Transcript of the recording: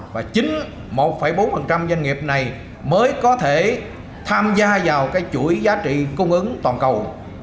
và chính một bốn doanh nghiệp này mới có thể tham gia vào cái chuỗi giá trị cung ứng toàn cầu